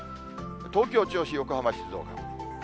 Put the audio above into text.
東京、銚子、横浜、静岡。